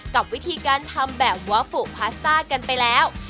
กับวิธีการทำแบบว่าฝูพาสต้ากันไปแล้ว